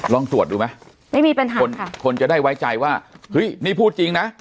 ลองตรวจดูไหมไม่มีปัญหาคนค่ะคนจะได้ไว้ใจว่าเฮ้ยนี่พูดจริงนะ